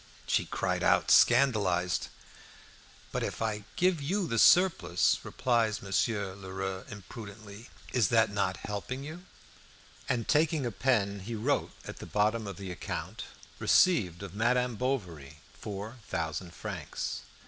She cried out, scandalised. "But if I give you the surplus," replied Monsieur Lheureux impudently, "is that not helping you?" And taking a pen he wrote at the bottom of the account, "Received of Madame Bovary four thousand francs."